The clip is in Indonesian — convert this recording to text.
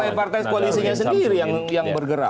partai partai koalisinya sendiri yang bergerak